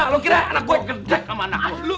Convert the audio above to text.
lu kira anak gua gede sama anak lu